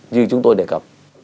như chúng tôi đề cập